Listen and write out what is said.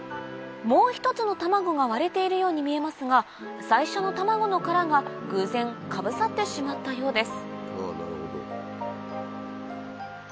もう１つの卵が割れているように見えますが最初の卵の殻が偶然かぶさってしまったようです